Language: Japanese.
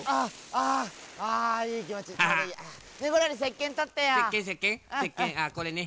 ああこれね。